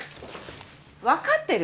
わかってる？